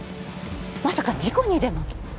まさか事故にでも。